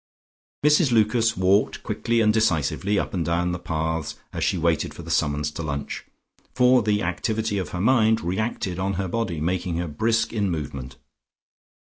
Mrs Lucas walked quickly and decisively up and down the paths as she waited for the summons to lunch, for the activity of her mind reacted on her body, making her brisk in movement.